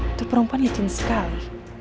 itu perempuan licin sekali